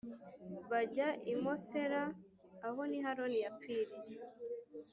bajya i Mosera. Aho ni ho Aroni yapfiriye,